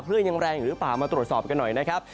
พลื่นยังแรงหรือเปล่ามาตรวจสอบกันหน่อยนะครับ